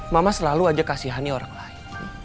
mama selalu aja kasihani orang lain